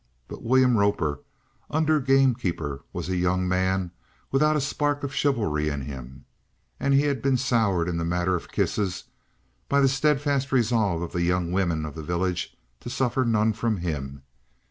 But William Roper, under gamekeeper, was a young man without a spark of chivalry in him, and he had been soured in the matter of kisses by the steadfast resolve of the young women of the village to suffer none from him.